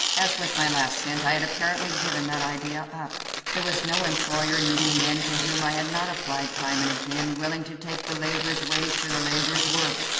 As with my last cent, I had apparently given that idea up. There was no employer needing men to whom I had not applied time and again, willing to take the laborer's wage for the laborer's work.